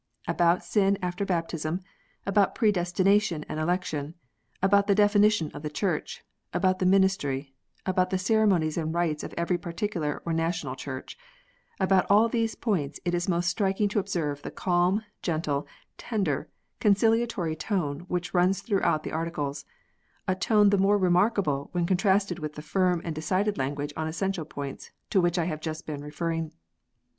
About sin after baptism, about predestination and election, about the definition of the Church, about the ministry, about the ceremonies and rights of every particular or national Church, about all these points it is most striking to observe the calm, gentle, tender, conciliatory tone which runs throughout the Articles ; a tone the more remarkable when contrasted with the firm and decided language on essential points, to which I have just been referring.